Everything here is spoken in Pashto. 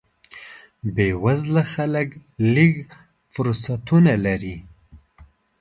بې وزله خلک لږ فرصتونه لري.